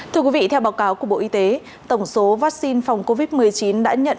thưa quý vị theo báo cáo của bộ y tế tổng số vaccine phòng covid một mươi chín đã nhận